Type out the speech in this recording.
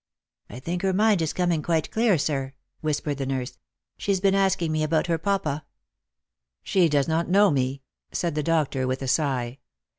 " I think her mind is coming quite clear, sir," whispered the nurse ;" she's been asking me about her papa." " She does not know me," said the doctor, with a sigh.